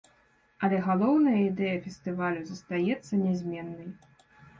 Але галоўная ідэя фестывалю застаецца нязменнай.